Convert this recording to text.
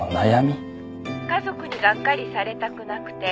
「家族にがっかりされたくなくて」